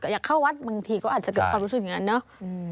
อยากเข้าวัดบางทีก็อาจจะเกิดความรู้สึกอย่างนั้นเนาะ